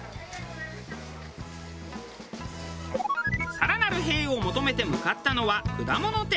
更なる「へぇ」を求めて向かったのは果物店。